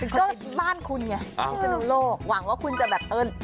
ก็บ้านคุณไงพิศนุโลกหวังว่าคุณจะแบบเอิ้น